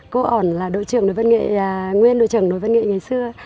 cô ẩn là đội trưởng đội văn nghệ nguyên đội trưởng đội văn nghệ ngày xưa